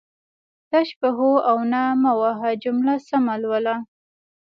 تش په هو او نه مه وهه جمله سمه لوله